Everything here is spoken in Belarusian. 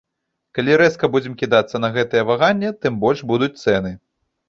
Калі рэзка будзем кідацца на гэтыя ваганні, тым больш будуць цэны.